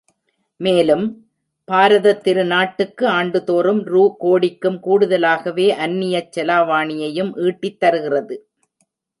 மேலும், பாரதத் திருநாட்டுக்கு ஆண்டுதோறும் ரூ. கோடிக்கும் கூடுதலாகவே அந்நியச் செலாவணியையும் ஈட்டித் தருகிறது.